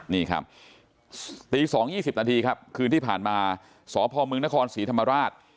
นี่ครับตี๒๒๐นาทีครับคืนที่ผ่านมาสพมนครศรีธรรมราช